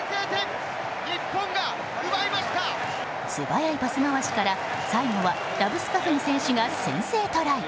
素早いパス回しから、最後はラブスカフニ選手が先制トライ。